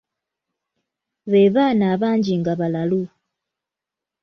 Be baana abangi nga balalu.